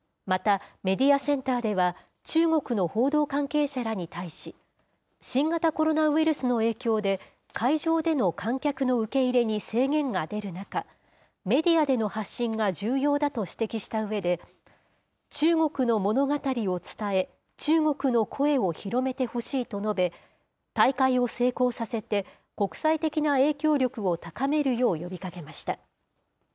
また、メディアセンターでは、中国の報道関係者らに対し、新型コロナウイルスの影響で、会場での観客の受け入れに制限が出る中、メディアでの発信が重要だと指摘したうえで、中国の物語を伝え、中国の声を広めてほしいと述べ、大会を成功させて、国際的な影響力を高めるよう呼びかけました。